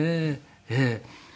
ええ。